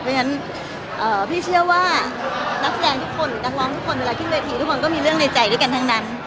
เพราะฉะนั้นพี่เชื่อว่านักแสดงทุกคนหรือนักร้องทุกคนเวลาขึ้นเวทีทุกคนก็มีเรื่องในใจด้วยกันทั้งนั้น